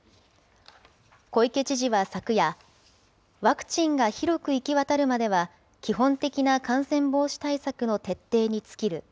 小池知事は昨夜、ワクチンが広く行き渡るまでは、基本的な感染防止対策の徹底に尽きる。